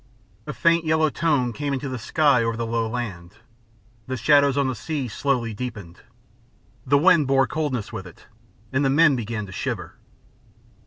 A faint yellow tone came into the sky over the low land. The shadows on the sea slowly deepened. The wind bore coldness with it, and the men began to shiver.